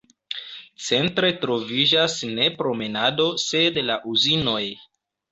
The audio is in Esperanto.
Centre troviĝas ne promenado sed la uzinoj.